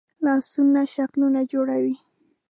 لاسونه شکلونه جوړوي